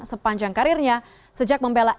sepanjang karirnya sejak membela